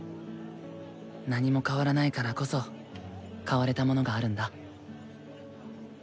何も変わらないからこそ変われたものがあるんだ。